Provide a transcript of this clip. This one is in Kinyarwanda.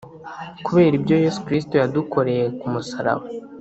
Kubera ibyo Yesu Kristo yadukoreye ku musaraba,